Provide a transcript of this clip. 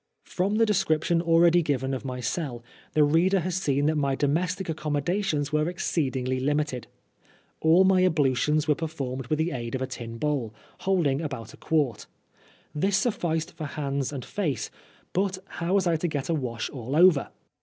From the description already given of my cell, the reader has seen that my domestic accommodations were exceedingly limited. All my ablutions were performed with the aid of a tin bowl, holding about a quart. This suf&ced for hands and face, but how was I to get a wash •*ll over